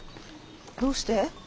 どうして？